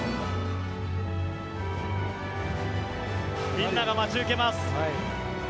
みんなが待ち受けます。